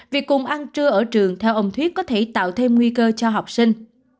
việc cùng ăn trưa ở trường theo ông thuyết có thể tạo thêm nguy cơ cho học sinh